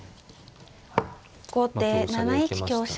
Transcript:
後手７一香車。